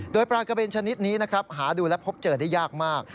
โดยปลากระเบนชนิดนี้นะครับหาดูและพบเจอได้ยากมาก